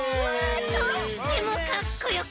とってもかっこよかったち。